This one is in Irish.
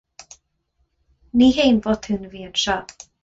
Ní haon bhotún a bhí anseo.